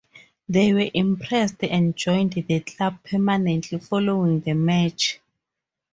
They were impressed and joined the club permanently following the match.